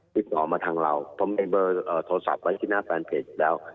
ติดออกมาทางเราเพราะมีเบอร์โทรศัพท์ไว้ที่หน้าแฟนเพจแล้ว